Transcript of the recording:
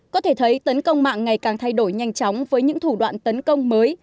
có thể thấy tấn công mạng ngày càng thay đổi nhanh chóng với những thủ đoạn tấn công mới